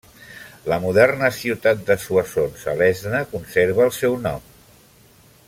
La moderna ciutat de Soissons, a l'Aisne, conserva el seu nom.